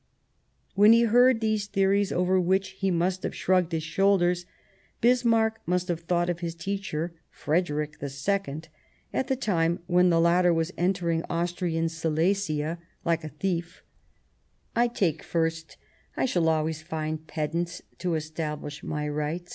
When he heard these theories, over which he must have shrugged his shoulders, Bismarck must have thought of his teacher, Frederick II, at the time when the latter was entering Austrian Silesia like a thief: "I take first; I shall always find pedants to establish my rights."